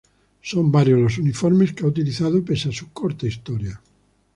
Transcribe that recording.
Son varios los uniformes que ha utilizado pese a su corta historia.